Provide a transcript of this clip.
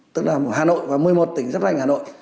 tức là hà nội và một mươi một tỉnh giáp danh hà nội